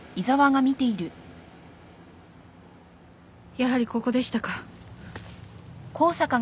やはりここでしたか。